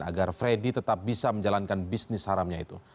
agar freddy tetap bisa menjalankan bisnis haramnya itu